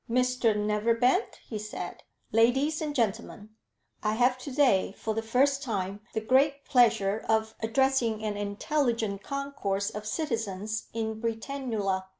"Mr Neverbend," he said, "ladies and gentlemen, I have to day for the first time the great pleasure of addressing an intelligent concourse of citizens in Britannula.